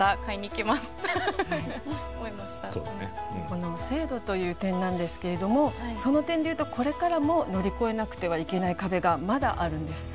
この制度という点なんですけれどもその点で言うとこれからも乗り越えなくてはいけない壁がまだあるんです。